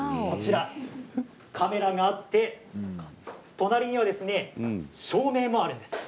カメラがあって隣には照明もあるんです。